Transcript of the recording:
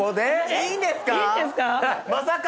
いいんですか？